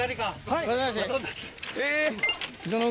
はい！